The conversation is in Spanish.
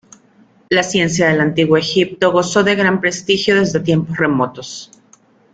La ciencia del antiguo Egipto gozó de gran prestigio desde tiempos remotos.